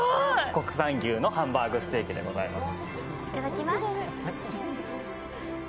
国産牛のハンバーグステーキでございます。